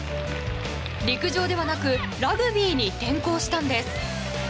陸上ではなくラグビーに転向したんです。